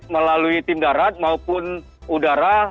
melalui tim darat maupun udara